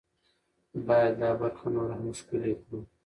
باید دا برخه نوره هم ښکلې کړو.